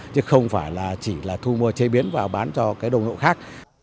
chứ không phải là chỉ thu mua chế biến và bán cho đồng hộ khác